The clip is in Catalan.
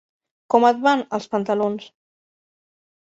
Com et van, els pantalons?